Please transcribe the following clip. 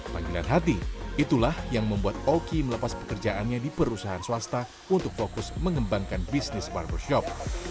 dan binat hati itulah yang membuat oki melepas pekerjaannya di perusahaan swasta untuk fokus mengembangkan bisnis barbershop